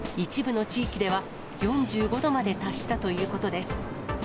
一部の地域では、４５度まで達したということです。